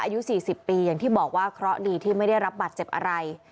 อายุ๔๐ปีอย่างที่บอกว่าเคราะห์ดีที่ไม่ได้รับบาดเจ็บอะไร